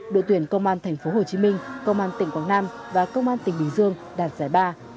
đội tuyển công an thành phố hồ chí minh công an tỉnh quảng nam và công an tỉnh bình dương đạt giải ba